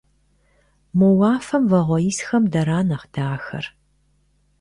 Мо уафэм вагъуэ исхэм дара нэхъ дахэр?